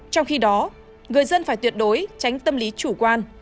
trong khi đó người dân phải tuyệt đối tránh tâm lý chủ quan